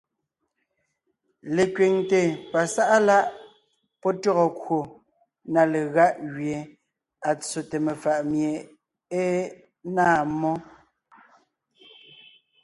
Lekẅiŋte pasáʼa láʼ pɔ́ tÿɔgɔ kwò na legáʼ gẅie à tsóte mefàʼ mie é náa mmó,